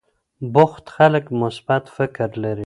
بوخت خلک مثبت فکر لري.